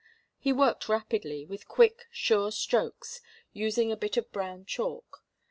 He worked rapidly, with quick, sure strokes, using a bit of brown chalk.